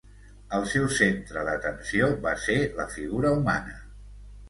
El seu centre d'atenció va ser la figura humana.